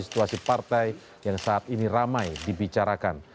situasi partai yang saat ini ramai dibicarakan